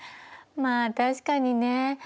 まあ確かにね